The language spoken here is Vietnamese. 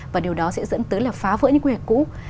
và điều đó sẽ dẫn tới là phá vỡ những quy hoạch cũ